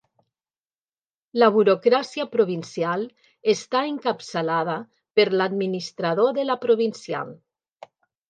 La burocràcia provincial està encapçalada per l'administrador de la provincial.